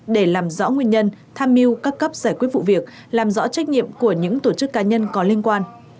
để làm rõ nguyên nhân tham mưu các cấp giải quyết vụ việc làm rõ trách nhiệm của những tổ chức cá nhân có liên quan